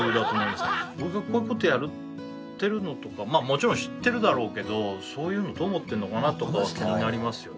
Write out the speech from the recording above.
俺がこういう事やってるのとかまあもちろん知ってるだろうけどそういうのどう思ってるのかな？とかは気になりますよね。